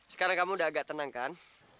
sekarang kamu udah agak tenang kan